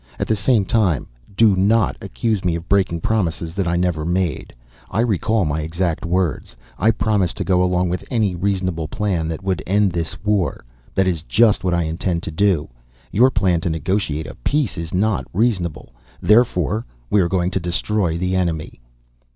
At the same time do not accuse me of breaking promises that I never made. I recall my exact words. I promised to go along with any reasonable plan that would end this war. That is just what I intend to do. Your plan to negotiate a peace is not reasonable. Therefore we are going to destroy the enemy."